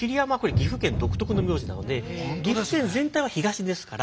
岐阜県独特の名字なので岐阜県全体は東ですから。